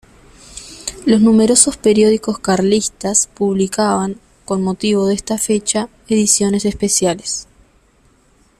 Los numerosos periódicos carlistas publicaban, con motivo de esta fecha, ediciones especiales.